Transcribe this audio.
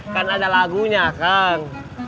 kan ada lagunya kan